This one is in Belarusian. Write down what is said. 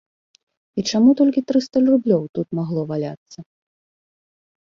І чаму толькі трыста рублёў тут магло валяцца?